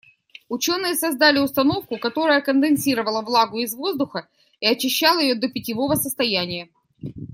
Учёные создали установку, которая конденсировала влагу из воздуха и очищала её до питьевого состояния.